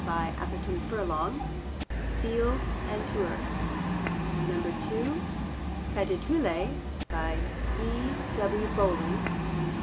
By Atherton Furlong. (Field and Tuer.) (2) Sagittulae. By E. W. Bowling.